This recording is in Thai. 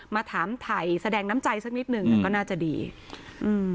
มาถามถ่ายแสดงน้ำใจสักนิดหนึ่งอ่ะก็น่าจะดีอืม